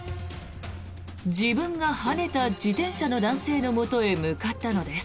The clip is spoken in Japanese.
自分がはねた自転車の男性のもとへ向かったのです。